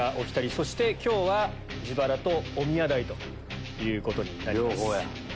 そして今日は自腹とおみや代ということになります。